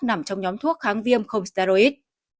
nằm trong nhóm thuốc kháng viêm không steroid